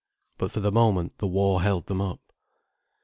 But for the moment the war held them up.